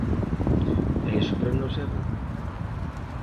E iso para nós é bo.